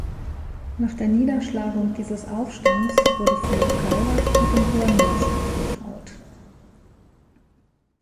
Nach der Niederschlagung dieses Aufstands wurde Phillip Calvert mit dem Gouverneursamt betraut.